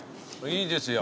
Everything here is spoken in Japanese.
いいですよ。